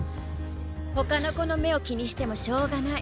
ほかの子の目を気にしてもしょうがない。